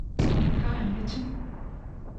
Ka em biçin.